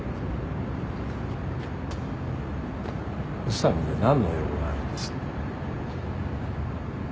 宇佐美に何の用があるんです？